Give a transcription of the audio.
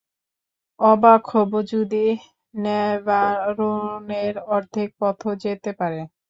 অবাক হব যদি ন্যাভারোনের অর্ধেক পথও যেতে পারে।